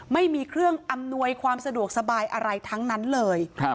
ไม่มีเครื่องอำนวยความสะดวกสบายอะไรทั้งนั้นเลย